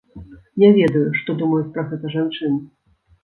Не ведаю, што думаюць пра гэта жанчыны.